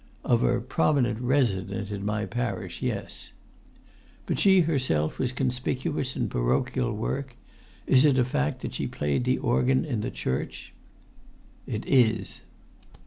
"Of a prominent resident in my parish—yes." "But she herself was conspicuous in parochial work? Is it a fact that she played the organ in church?" "It is."